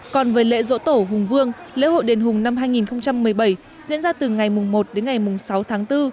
còn với lễ dỗ tổ hùng vương lễ hội đền hùng năm hai nghìn một mươi bảy diễn ra từ ngày mùng một đến ngày mùng sáu tháng bốn